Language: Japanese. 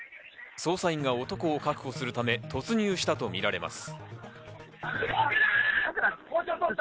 捜査員が男を確保するため突入したとみられます。